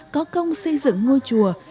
có công xây dựng ngôi chùa